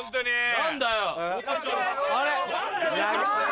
何だよ。